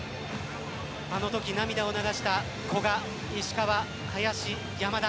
あの時、涙を流した古賀、石川林、山田。